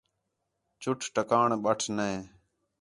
چُٹ ٹکاڑݨ بٹ نے